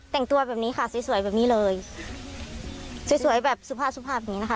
แต่งตัวแบบนี้ค่ะสวยสวยแบบนี้เลยสวยสวยแบบสุภาพสุภาพอย่างงีนะคะ